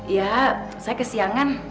ya saya kesiangan